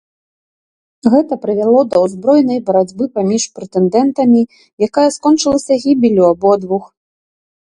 Гэта прывяло да ўзброенай барацьбы паміж прэтэндэнтамі, якая скончылася гібеллю абодвух.